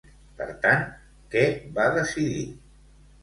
Per tant, què va decidir?